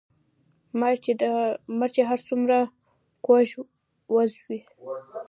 ـ مار چې هر څومره کوږ وږ وي